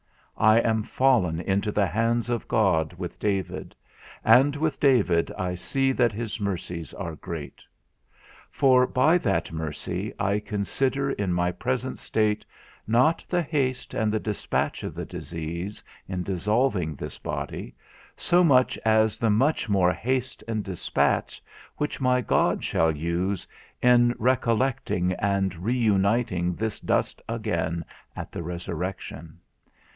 I am fallen into the hands of God with David, and with David I see that his mercies are great. For by that mercy, I consider in my present state, not the haste and the despatch of the disease, in dissolving this body, so much as the much more haste and despatch, which my God shall use, in re collecting and re uniting this dust again at the resurrection.